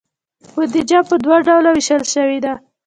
بودیجه په دوه ډوله ویشل شوې ده.